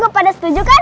kamu pada setuju kan